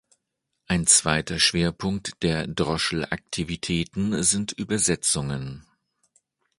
Ein zweiter Schwerpunkt der Droschl-Aktivitäten sind Übersetzungen.